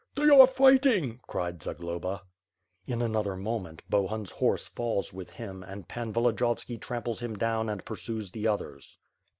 "They are fighting!" cries Zagloba. In another moment, Bohun's horse falls with him and Pan Volodiyovski tramples him down and pursues the others.